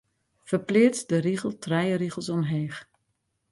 Ferpleats de rigel trije rigels omheech.